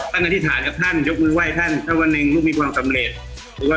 ตั้งแต่ธิษฐานกับท่านยกมือไหว่ป่าวหนึ่งน้องมีความสำเร็จ